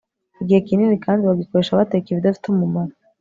igihe kinini kandi bagikoresha bateka ibidafite umumaro